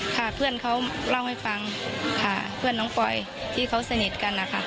ค่ะเพื่อนเขาเล่าให้ฟังค่ะเพื่อนน้องปอยที่เขาสนิทกันนะคะ